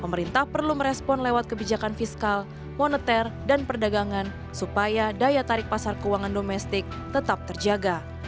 pemerintah perlu merespon lewat kebijakan fiskal moneter dan perdagangan supaya daya tarik pasar keuangan domestik tetap terjaga